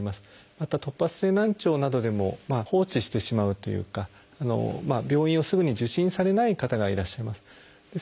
また突発性難聴などでも放置してしまうというか病院をすぐに受診されない方がいらっしゃいます。